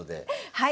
はい。